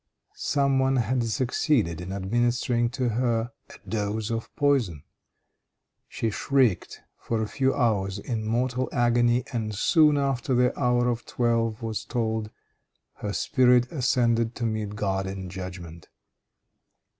Some one had succeeded in administering to her a dose of poison. She shrieked for a few hours in mortal agony, and soon after the hour of twelve was tolled, her spirit ascended to meet God in judgment.